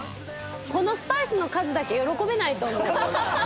このスパイスの数だけ喜べないと思う！